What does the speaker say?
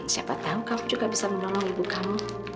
siapa tahu juga bisa menolong ibu kamu